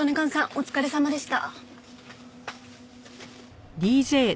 お疲れさまでした。